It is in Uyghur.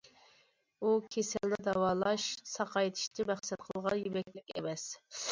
ئۇ كېسەلنى داۋالاش، ساقايتىشنى مەقسەت قىلغان يېمەكلىك ئەمەس.